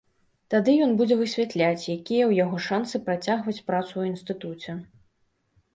Тады ён будзе высвятляць, якія ў яго шансы працягваць працу ў інстытуце.